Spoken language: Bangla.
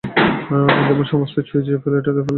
যেমন সমস্তই ছুঁয়ে ছুঁয়ে ঠেলে ঠেলে ফেলে দিতে ইচ্ছে করে।